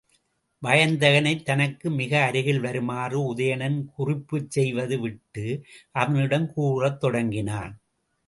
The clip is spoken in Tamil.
வயந்தகனைத் தனக்கு மிக அருகில் வருமாறு உதயணன் குறிப்புச் செய்து விட்டு, அவனிடம் கூறத் தொடங்கினான்.